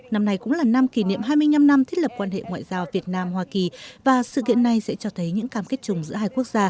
năm nay cũng là năm kỷ niệm hai mươi năm năm thiết lập quan hệ ngoại giao việt nam hoa kỳ và sự kiện này sẽ cho thấy những cam kết chung giữa hai quốc gia